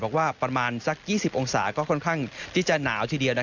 ประมาณสัก๒๐องศาก็ค่อนข้างที่จะหนาวทีเดียว